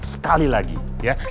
sekali lagi ya